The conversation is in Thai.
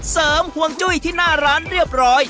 ห่วงจุ้ยที่หน้าร้านเรียบร้อย